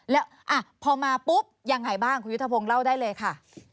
แล้วพอมาปุ๊บยังไงบ้างคุณยุทธพงศ์เล่าได้เลยค่ะ